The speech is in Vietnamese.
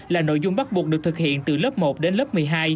là nội dung bắt buộc được thực hiện từ lớp một đến lớp một mươi hai